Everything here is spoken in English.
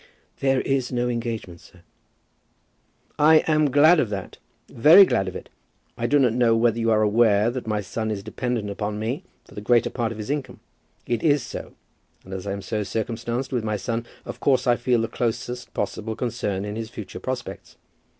"There is no engagement, sir." "I am glad of that, very glad of it. I do not know whether you are aware that my son is dependent upon me for the greater part of his income. It is so, and as I am so circumstanced with my son, of course I feel the closest possible concern in his future prospects."